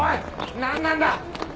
何なんだ！？